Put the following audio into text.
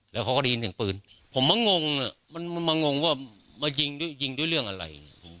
แล้วเขาก็ได้ยินเสียงปืนผมมางงมันมางงว่ามายิงด้วยเรื่องอะไร